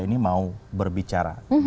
ini mau berbicara